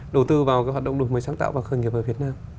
đầu tư vào cái hoạt động đổi mới sáng tạo và khởi nghiệp ở việt nam